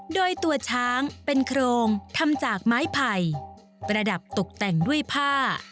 โดยตัวช้างเป็นโครงทำจากไม้ไผ่ประดับตกแต่งด้วยผ้า